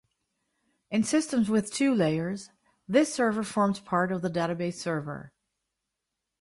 In systems with two layers, this server forms part of the database server.